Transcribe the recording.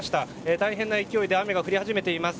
大変な勢いで雨が降り始めています。